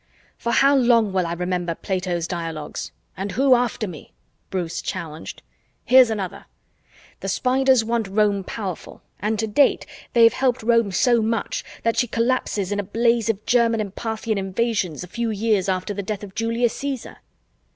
"For how long will I remember Plato's dialogues? And who after me?" Bruce challenged. "Here's another. The Spiders want Rome powerful and, to date, they've helped Rome so much that she collapses in a blaze of German and Parthian invasions a few years after the death of Julius Caesar."